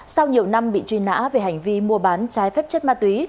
sau nhiều năm bị truy nã về hành vi mua bán trái phép chất ma túy